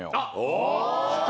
お！